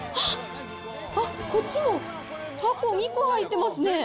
あっ、こっちも、たこ２個入ってますね。